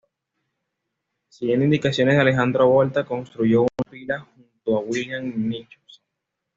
Siguiendo indicaciones de Alejandro Volta construyó una pila junto a William Nicholson.